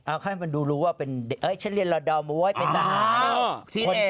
เอาให้มันดูรู้ว่าเป็นเด็กเอ้ยฉันเรียนลอดอลมาเว้ยเป็นตาหา